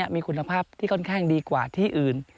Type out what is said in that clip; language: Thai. มีคุณภาพที่ค่อนข้างดีกว่าที่อื่น